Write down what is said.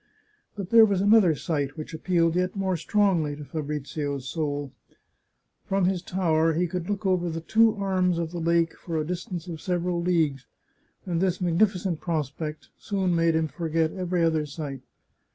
But there was another sight which appealed yet more strongly to Fabrizio's soul. From his tower he could look over the two arms of the lake for a distance of several leagues, and this magnificent prospect soon made him forget every other sight.